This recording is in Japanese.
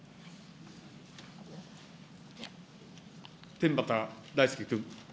天畠大輔君。